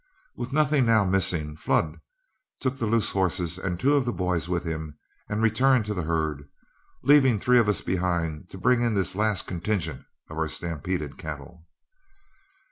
With nothing now missing, Flood took the loose horses and two of the boys with him and returned to the herd, leaving three of us behind to bring in this last contingent of our stampeded cattle.